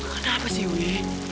kenapa sih wih